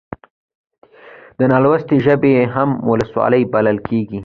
د نالوستي ژبه هم وولسي بلل کېږي.